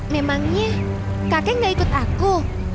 memangnya kakek gak ikut aku